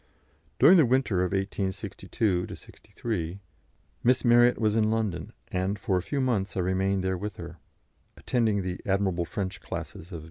During the winter of 1862 63 Miss Marryat was in London, and for a few months I remained there with her, attending the admirable French classes of M.